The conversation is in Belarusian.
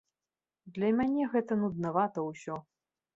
Для мяне гэта нуднавата ўсё.